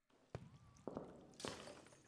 تواب لاس پر ډبره ونيو.